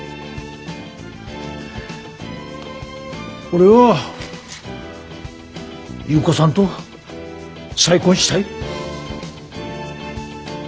俺は優子さんと再婚したい。